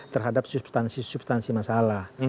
terhadap substansi substansi masalah